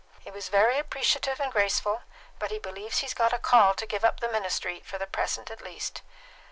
He was very appreciative and grateful, but he believes he's got a call to give up the ministry, for the present at least.